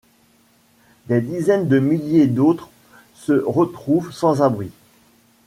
Des dizaines de milliers d'autres se retrouvent sans abri.